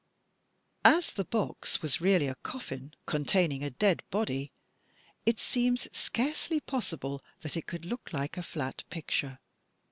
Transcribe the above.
As the box was really a coffin, containing a dead body, it seems scarcely possible that it could look like a flat picture!